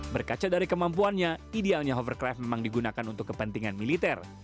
berkaca dari kemampuannya idealnya hovercraft memang digunakan untuk kepentingan militer